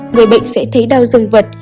người bệnh sẽ thấy đau dương vật